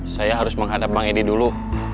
saya harus menghadap bang edi dulu